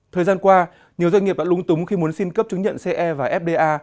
thời gian qua nhiều doanh nghiệp đã lúng túng khi muốn xin cấp chứng nhận ce và fda